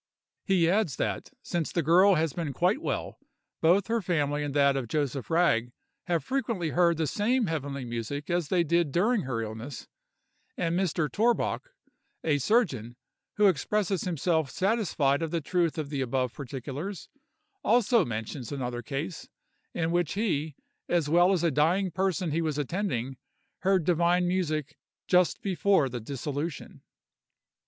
He adds that, since the girl has been quite well, both her family and that of Joseph Ragg have frequently heard the same heavenly music as they did during her illness; and Mr. Torbock, a surgeon, who expresses himself satisfied of the truth of the above particulars, also mentions another case, in which he, as well as a dying person he was attending, heard divine music just before the dissolution.